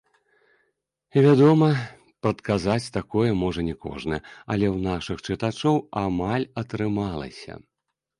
Вядома, прадказаць такое можа не кожны, але ў нашых чытачоў амаль атрымалася!